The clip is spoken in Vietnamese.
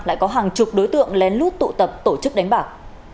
lại có hàng chục đối tượng lén lút tụ tập tổ chức đánh bạc